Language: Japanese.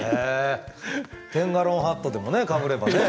テンガロンハットでもかぶればね。